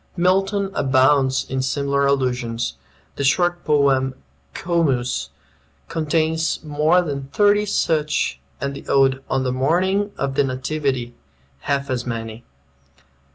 Milton abounds in similar allusions. The short poem "Comus" contains more than thirty such, and the ode "On the Morning of the Nativity" half as many.